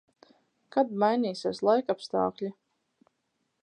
Kad mainīsies laikapstākļi?